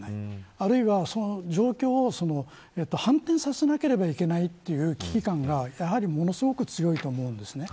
あるいは、その状況を反転させなければいけないという危機感がものすごく強いと思うんですね。